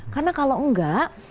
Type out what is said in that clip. karena kalau enggak